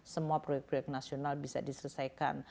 semua proyek proyek nasional bisa diselesaikan